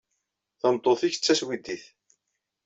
Tameṭṭut-nnek d taswidit.